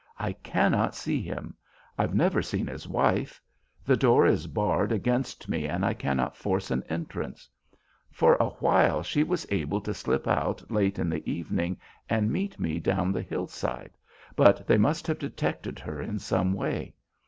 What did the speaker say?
I cannot see him. I've never seen his wife. The door is barred against me and I cannot force an entrance. For a while she was able to slip out late in the evening and meet me down the hill side, but they must have detected her in some way.